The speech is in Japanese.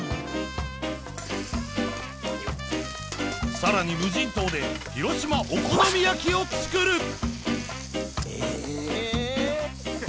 さらに無人島で広島お好み焼きを作るえ。